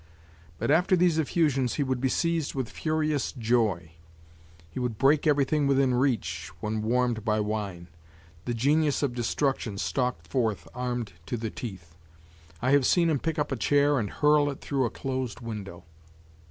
But after these effusions he would be seized with furious joy. He would break everything within reach when warmed by wine; the genius of destruction stalked forth armed to the teeth. I have seen him pick up a chair and hurl it through a closed window.